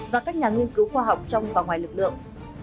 và các nhà nghiên cứu khoa học trong và ngoài lực lượng